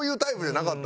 なかった。